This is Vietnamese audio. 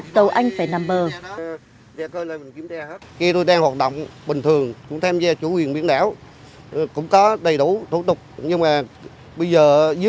tàu anh phải nằm bờ